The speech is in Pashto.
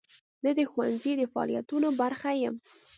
زه د ښوونځي د فعالیتونو برخه یم.